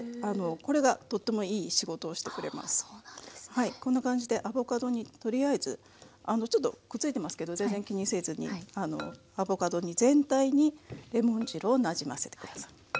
はいこんな感じでアボカドにとりあえずちょっとくっついてますけど全然気にせずにアボカドに全体にレモン汁をなじませて下さい。